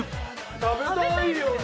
食べたいよね？